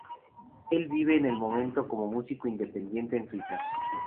Él vive en el momento como músico independiente en Suiza.